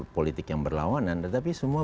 politik yang berlawanan tetapi semua